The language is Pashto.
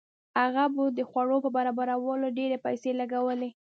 هغه به د خوړو په برابرولو ډېرې پیسې لګولې.